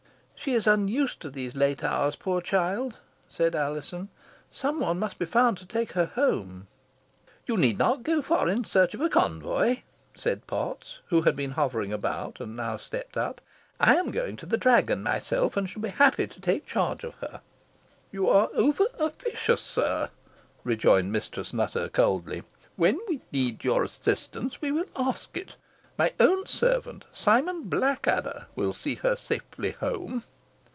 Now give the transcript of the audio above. "She is unused to these late hours, poor child," said Alizon. "Some one must be found to take her home." "You need not go far in search of a convoy," said Potts, who had been hovering about, and now stepped up; "I am going to the Dragon myself, and shall be happy to take charge of her." "You are over officious, sir," rejoined Mistress Nutter, coldly; "when we need your assistance we will ask it. My own servant, Simon Blackadder, will see her safely home."